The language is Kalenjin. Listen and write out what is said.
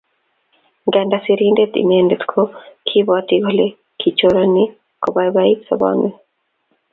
Nganda sirindet inendet ko kiibwati kole kichorani kobaibait sobonwek